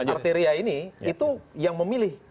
arteria ini itu yang memilih